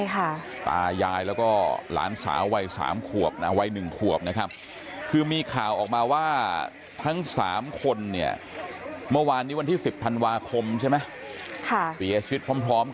คุณป่าย่ายและหลานสาววัยสามควบ